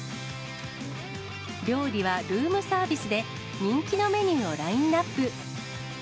料理はルームサービスで、人気のメニューをラインナップ。